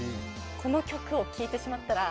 この曲を聴いてしまったら。